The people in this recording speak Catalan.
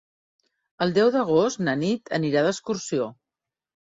El deu d'agost na Nit anirà d'excursió.